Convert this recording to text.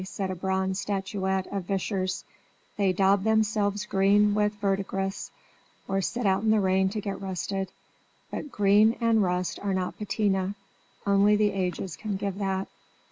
said a bronze statuette of Vischer's "They daub themselves green with verdigris, or sit out in the rain to get rusted; but green and rust are not patina; only the ages can give that!"